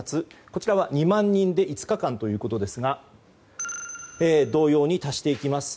こちらは２万人で５日間ということですが同様に足していきます。